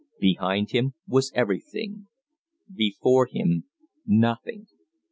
Behind him was everything; before him, nothing.